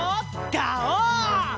ガオー！